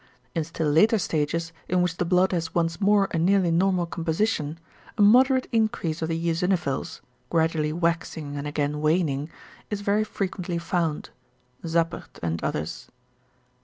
In still later stages, in which the blood has once more a nearly normal composition, a moderate increase of the eosinophils gradually waxing and again waning is very frequently found (Zappert and others).